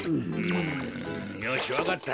よしわかった。